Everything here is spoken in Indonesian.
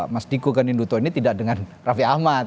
mas diko kan induto ini tidak dengan raffi ahmad